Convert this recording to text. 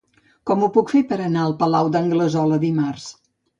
Com ho puc fer per anar al Palau d'Anglesola dimarts?